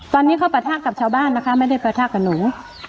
ตอนนี้เขาปะทะกับชาวบ้านนะคะไม่ได้ประทะกับหนู